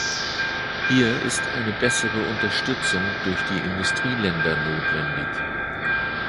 Hier ist eine bessere Unterstützung durch die Industrieländer notwendig.